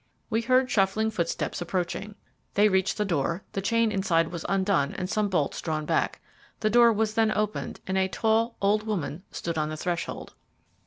We heard shuffling footsteps approaching, they reached the door, the chain inside was undone, and some bolts drawn back. The door was then opened, and a tall, old woman stood on the threshold.